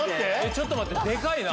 ちょっと待ってでかいな！